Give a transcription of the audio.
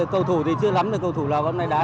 cầu thủ nào sẽ ghi bản hả bác